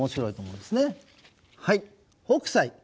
はい北斎。